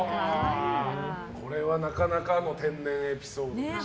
これは、なかなかの天然エピソードでしたね。